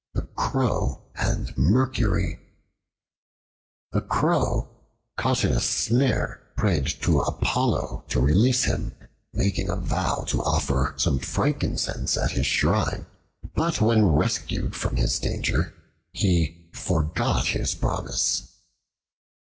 The Crow and Mercury A CROW caught in a snare prayed to Apollo to release him, making a vow to offer some frankincense at his shrine. But when rescued from his danger, he forgot his promise.